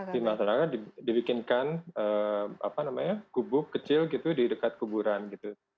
di masyarakat dibikinkan kubuk kecil gitu di dekat kuburan gitu